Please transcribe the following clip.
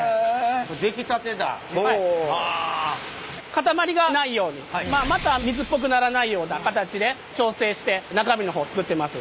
塊がないようにまた水っぽくならないような形で調整して中身の方作ってます。